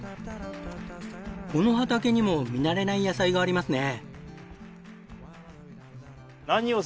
この畑にも見慣れない野菜がありますね。